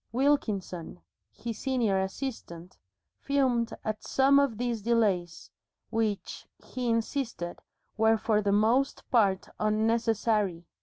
Wilkinson, his senior assistant, fumed at some of these delays, which, he insisted, were for the most part unnecessary.